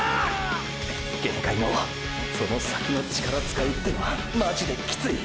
限界のその先の力使うってのはマジでキツい！！